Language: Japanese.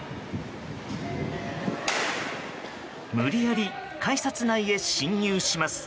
無理やり改札内へ進入します。